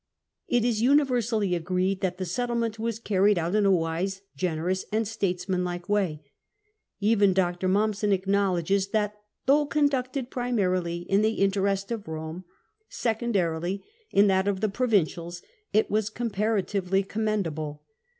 It is universally agreed that the settlement was carried out in a wise, generous, and statesmanlike way. Even Dr. Mommsen acknowledges that though conducted primarily in the interest of Rome, secondarily in that of the provincials, it was comparatively commendable.